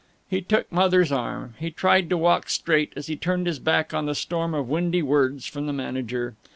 He took Mother's arm; he tried to walk straight as he turned his back on the storm of windy words from the manager.